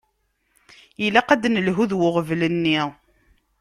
Ilaq ad d-nelhu d uɣbel-nni.